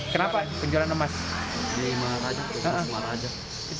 kenapa penjualan emas